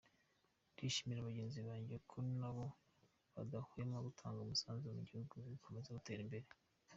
Ndashimira bagenzi banjye ko nabo badahwema gutanga umusanzu ngo igihugu gikomeze gitere imbere”.